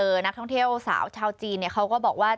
นักท่องเที่ยวสาวชาวจีนเนี่ยเขาก็บอกว่า